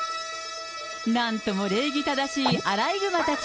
なんとも礼儀正しいアライグマたち。